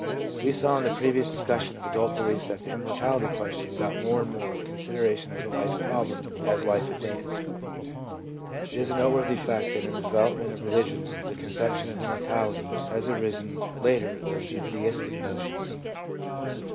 We saw in the previous dis cussion of adult beliefs that the immortality question got more and more consideration as a life problem as life advanced. It is a noteworthy fact that in the development of religions the conceptions of immortality has arisen later than the theistic notions.